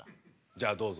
じゃあどうぞ。